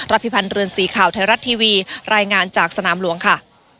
พิพันธ์เรือนสีข่าวไทยรัฐทีวีรายงานจากสนามหลวงค่ะ